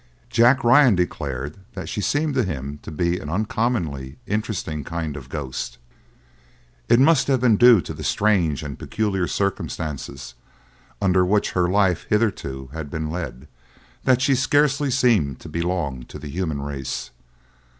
Jack Ryan declared that she seemed to him to be an uncommonly interesting kind of ghost. It must have been due to the strange and peculiar circumstances under which her life hitherto had been led, that she scarcely seemed to belong to the human race.